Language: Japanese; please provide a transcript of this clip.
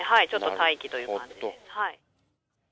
待機という感じです。